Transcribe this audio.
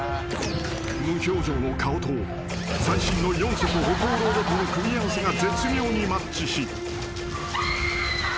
［無表情の顔と最新の四足歩行ロボとの組み合わせが絶妙にマッチし］